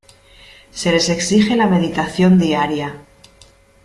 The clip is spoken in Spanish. Se les exige la meditación diaria.